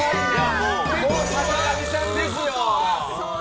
もう坂上さんですよ。